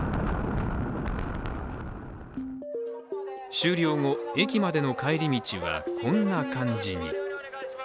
終了後、駅までの帰り道はこんな感じに。